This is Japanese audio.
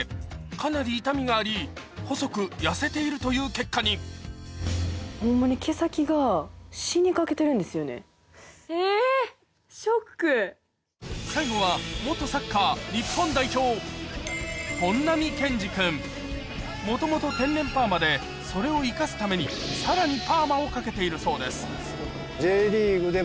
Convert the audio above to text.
かなり傷みがあり細く痩せているという結果に最後はもともと天然パーマでそれを生かすためにさらにパーマをかけているそうです